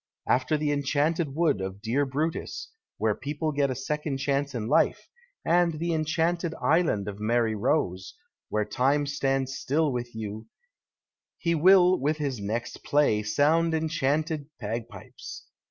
After the enchanted wood of Dear Brutus, wlicre people get a second chance in life, and the enchanted island of Mary Rose, where time stands still with you, he will with his next play sound enchanted bagpipes.